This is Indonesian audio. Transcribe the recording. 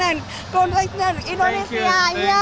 and kondisi indonesia